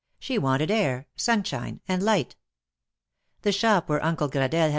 She wanted air, sunshine and light. The shop where Uncle Gradelle had.